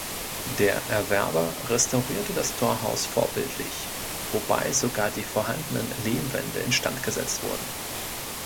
Der Erwerber restaurierte das Torhaus vorbildlich, wobei sogar die vorhandenen Lehmwände instand gesetzt wurden.